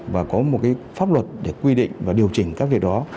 và có một cái pháp luật để quy định và điều chỉnh các việc đó